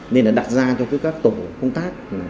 nên là đặt ra cho các tổ chức vũ khí